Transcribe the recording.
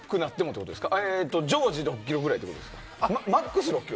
常時６キロぐらいってことですか？